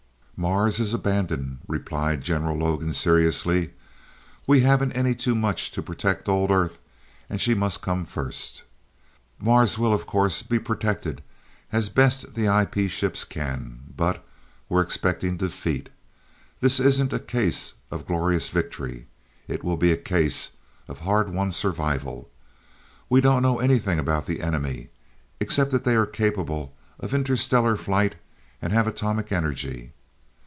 "Mars is abandoned," replied General Logan seriously. "We haven't any too much to protect old Earth, and she must come first. Mars will, of course, be protected as best the IP ships can. But we're expecting defeat. This isn't a case of glorious victory. It will be a case of hard won survival. We don't know anything about the enemy except that they are capable of interstellar flights, and have atomic energy.